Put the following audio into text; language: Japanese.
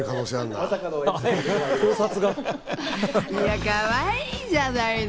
いや、かわいいじゃないの。